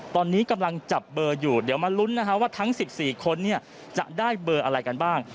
ตอนนี้กำลังจับเบอร์อยู่เดี๋ยวมาลุ้นนะฮะว่าทั้ง๑๔คนจะได้เบอร์อะไรกันบ้าง